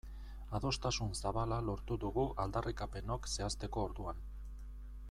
Adostasun zabala lortu dugu aldarrikapenok zehazteko orduan.